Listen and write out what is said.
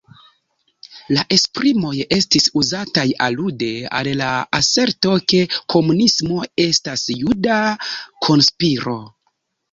La esprimoj estis uzataj alude al la aserto, ke komunismo estas juda konspiro.